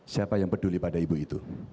siapa yang peduli pada ibu itu